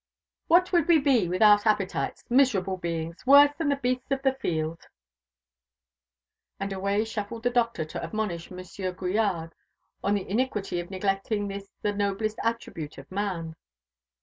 What would we be without appetites? Miserable beings! worse than the beasts of the field!" And away shuffled the Doctor to admonish Monsieur Grillade on the iniquity of neglecting this the noblest attribute of man.